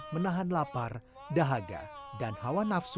menahan lapar dahaga dan hawa nafsu